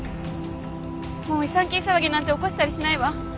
もう違算金騒ぎなんて起こしたりしないわ。